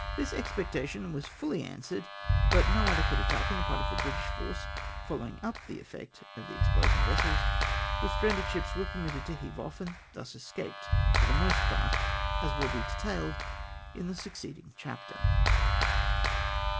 This expectation was fully answered, but no adequate attack on the part of the British force following up the effect of the explosion vessels, the stranded ships were per mitted to heave off, and thus escaped, for the most part, as will be detailed in the succeeding chapter.